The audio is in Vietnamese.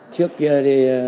trước kia thì